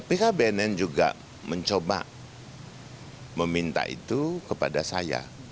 pihak bnn juga mencoba meminta itu kepada saya